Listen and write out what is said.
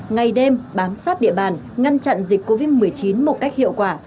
ngày đêm bám sát địa bàn ngăn chặn dịch covid một mươi chín một cách hiệu quả